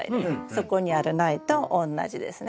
そこにある苗と同じですね。